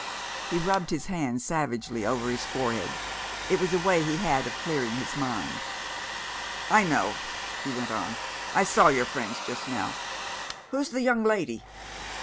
He rubbed his hand savagely over his forehead it was a way he had of clearing his mind. "I know," he went on. "I saw your friends just now. Who's the young lady?"